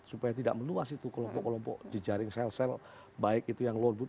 supaya tidak meluas itu kelompok kelompok di jaring sel sel baik itu yang lord wood